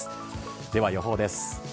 では予報です。